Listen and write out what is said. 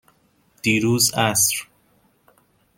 دیروز عصر.